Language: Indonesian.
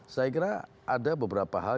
saya kira ada beberapa hal